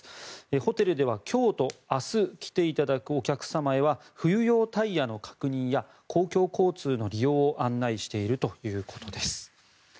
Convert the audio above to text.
ホテルでは今日と明日来ていただくお客様へは冬用タイヤの確認や公共交通の利用を案内しているということです。